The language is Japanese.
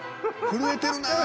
［震えてるなぁ］